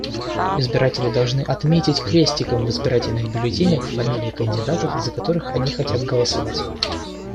Избиратели должны отметить крестиком в избирательных бюллетенях фамилии кандидатов, за которых они хотят голосовать.